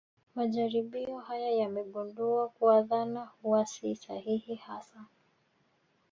Majaribio haya yamegundua kuwa dhana huwa si sahihi hasa